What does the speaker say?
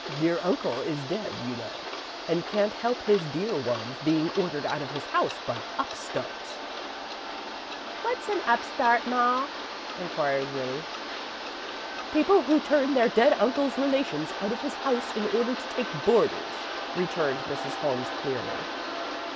Dear uncle is dead, you know, and can't help his dear ones being ordered out of his house by upstarts." "What's a upstart, ma?" inquired Willie. "People who turn their dead uncle's relations out of his house in order to take boarders," returned Mrs. Holmes, clearly.